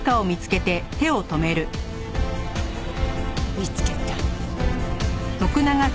見つけた。